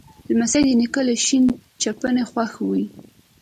لمسی د نیکه له شین چپنه خوښ وي.